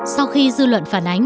sau khi dư luận phản ánh